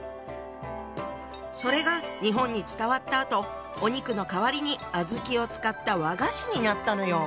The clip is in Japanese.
それが日本に伝わったあとお肉の代わりに小豆を使った和菓子になったのよ！